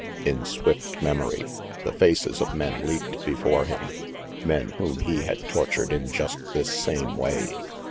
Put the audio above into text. In swift memory, the faces of men leaped before him, men whom he had tortured in just this same way.